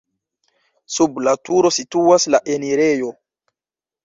Sub la turo situas la enirejo.